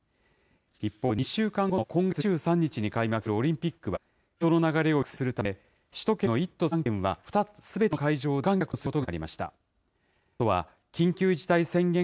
一方、２週間後の今月２３日に開幕するオリンピックは、人の流れを抑制するため、首都圏の１都３県はすべての会場で無観客とすることが決まりました。